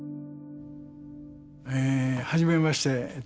えはじめまして。